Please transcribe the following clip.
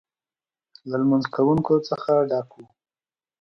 له لمونځ کوونکو څخه ډک و.